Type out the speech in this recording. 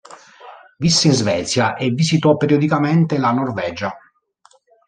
Visse in Svezia e visitò periodicamente la Norvegia.